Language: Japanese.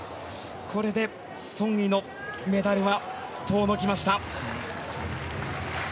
これでソン・イのメダルは遠のきました。